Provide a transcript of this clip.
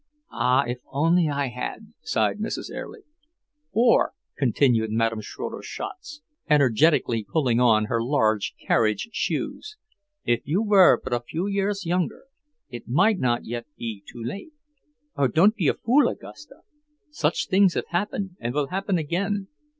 "Ah, if I only had!" sighed Mrs. Erlich. "Or," continued Madame Schroeder Schatz, energetically pulling on her large carriage shoes, "if you were but a few years younger, it might not yet be too late. Oh, don't be a fool, Augusta! Such things have happened, and will happen again.